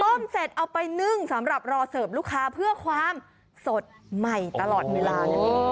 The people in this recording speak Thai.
เสร็จเอาไปนึ่งสำหรับรอเสิร์ฟลูกค้าเพื่อความสดใหม่ตลอดเวลานั่นเอง